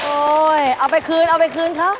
เอาไปคืนเอาไปคืนเขา